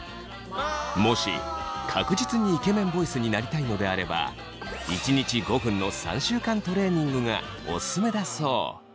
もし確実にイケメンボイスになりたいのであれば１日５分の３週間トレーニングがオススメだそう。